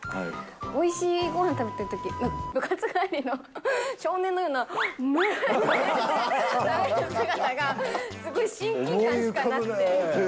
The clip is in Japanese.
おいしいごはん食べてるとき、部活帰りの少年のような、うめぇー！って食べてる姿が、すごい親近感しかなくて。